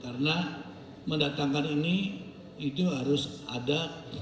karena mendatangkan ini itu harus ada